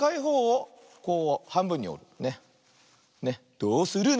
「どうするの？